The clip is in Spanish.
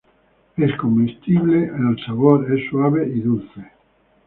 Es comestible, el sabor es suave y dulce.